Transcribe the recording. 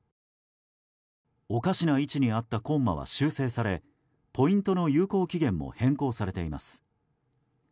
おかしな位置にあったコンマは修正されポイントの有効期限も変更されています。